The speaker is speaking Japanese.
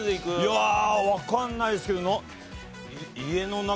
いやあわかんないですけど家の中？